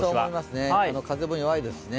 風も弱いですしね。